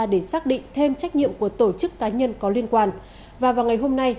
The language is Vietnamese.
để xác định thêm trách nhiệm của tổ chức cá nhân có liên quan và vào ngày hôm nay